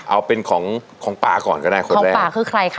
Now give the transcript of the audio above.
เอาเป็นของป่าก่อนก็ได้ของป่าคือใครคะ